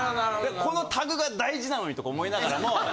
このタグが大事なのにとか思いながらも。